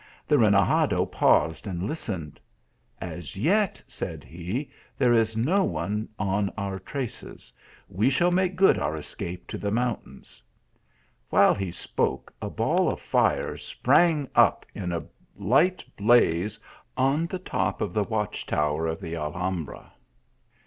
The renegado paused and listened. "As yet," said he, " there is no one on our traces, we shall make good our escape to the mountains." While he spoke a ball of fire sprang up in a light blaze on the top of the watch tower of the Al hambra.